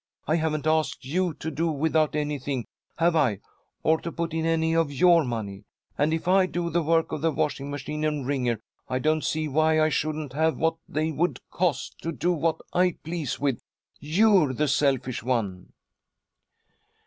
I haven't asked you to do without anything, have I, or to put in any of your money? And if I do the work of the washing machine and wringer, I don't see why I shouldn't have what they would cost, to do what I please with. You're the selfish one!"